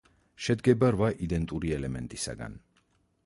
შედგება რვა იდენტური ელემენტისაგან.